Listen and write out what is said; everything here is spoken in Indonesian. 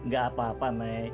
gak apa apa mei